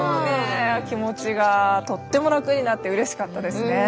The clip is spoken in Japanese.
気持ちがとっても楽になってうれしかったですね。